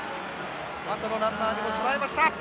あとのランナーにも備えました。